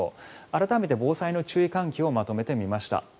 改めて防災の注意喚起をまとめてみました。